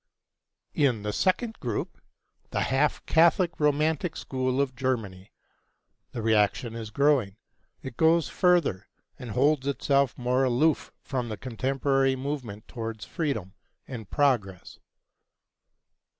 In the second group, the half Catholic romantic school of Germany, the reaction is growing; it goes further, and holds itself more aloof from the contemporary movement towards freedom and progress.